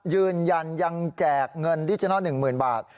ยืนยันยังแจกเงินดิจิทัล๑๐๐๐บาท